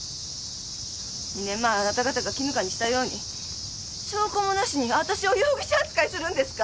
２年前あなた方が絹香にしたように証拠もなしに私を容疑者扱いするんですか？